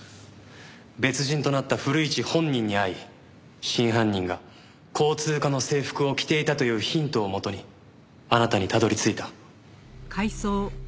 別人となった古市本人に会い真犯人が交通課の制服を着ていたというヒントをもとにあなたにたどり着いた。